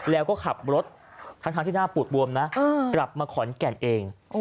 แล้วก็ขับรถทั้งที่หน้าปูดบวมนะกลับมาขอนแก่นเอง